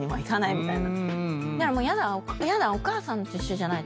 みたいな。